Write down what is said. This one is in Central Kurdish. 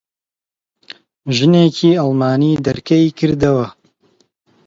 ژنێکی ئەڵمانی دەرکەی کردەوە.